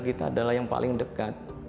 kita adalah yang paling dekat